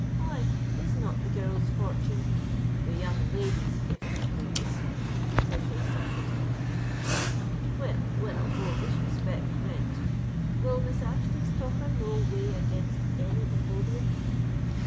Why, is not the girl's fortune——" "The young lady's, if you please," said Hayston, interrupting him. "Well—well, no disrespect meant. Will Miss Ashton's tocher not weigh against any in Lothian?"